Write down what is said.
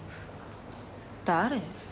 誰？